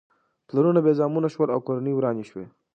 پلرونه بې زامنو شول او کورنۍ ورانې شوې.